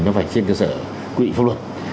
nó phải trên cơ sở quỹ phong luật